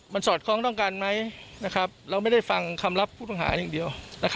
มันสอดคล้องต้องกันไหมเราไม่ได้ฟังคำรับผู้ต้องหาอย่างเดียว